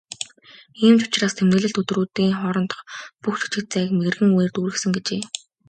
"Ийм ч учраас тэмдэглэлт өдрүүдийн хоорондох бүх жижиг зайг мэргэн үгээр дүүргэсэн" гэжээ.